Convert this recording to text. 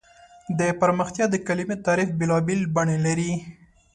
د پرمختیا د کلیمې تعریف بېلابېل بڼې لري.